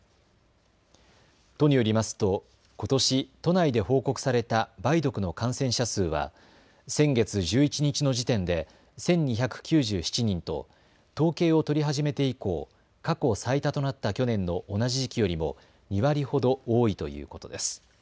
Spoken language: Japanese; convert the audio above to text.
都によりますと、ことし都内で報告された梅毒の感染者数は先月１１日の時点で１２９７人と統計を取り始めて以降、過去最多となった去年の同じ時期よりも２割ほど多いということです。